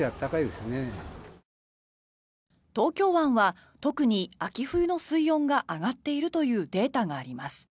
東京湾は特に秋冬の水温が上がっているというデータがあります。